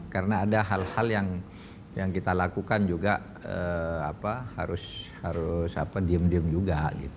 karena ada hal hal yang kita lakukan juga harus diem diem juga